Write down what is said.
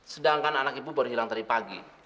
sedangkan anak ibu baru hilang tadi pagi